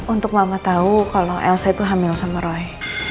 untuk mama tahu kalau elsa itu hamil sama roy